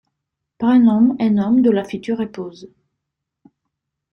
Prénoms et nom de la future épouse.